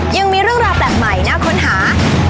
ยังมีเรื่องราวแปลกใหม่น่าค้นหา